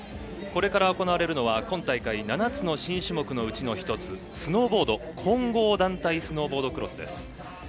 これから行われるのは今大会７つの新種目のうちの１つスノーボード混合団体スノーボードクロスです。